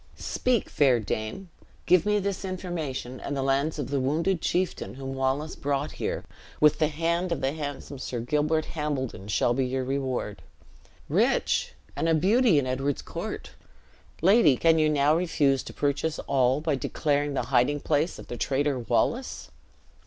Speak, fair dame; give me this information, and the lands of the wounded chieftain whom Wallace brought here, with the hand of the handsome Sir Gilbert Hambledon, shall be your reward. Rich, and a beauty in Edward's court! Lady, can you now refuse to purchase all, by declaring the hiding place of the traitor Wallace?"